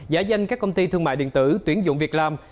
giả danh các công ty thương mại điện tử tuyển dụng việc làm